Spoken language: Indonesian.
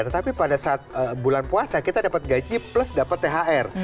tetapi pada saat bulan puasa kita dapat gaji plus dapat thr